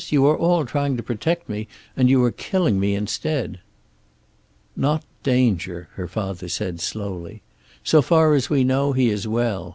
You are all trying to protect me, and you are killing me instead." "Not danger," her father said, slowly. "So far as we know, he is well.